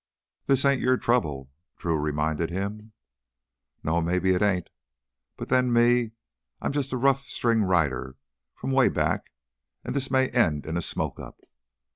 "This ain't your trouble," Drew reminded him. "No, maybe it ain't. But then, me, I'm jus' a rough string rider from way back, an' this may end in a smoke up.